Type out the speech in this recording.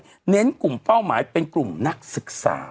เน้นกลุ่มเป้าหมายเป็นกลุ่มนักศึกษา